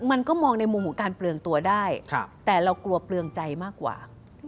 มันก็มองในมุมของการเปลืองตัวได้แต่เรากลัวเปลืองใจมากกว่า